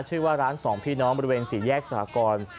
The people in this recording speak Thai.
ชื่อว่าร้านสองพี่น้องบริเวณสี่แยกสหกร